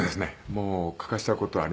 もう欠かした事はありません。